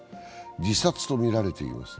自殺とみられています。